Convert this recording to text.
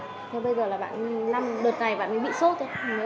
nhưng bây giờ là bạn ấy đợt này bạn ấy bị sốt thôi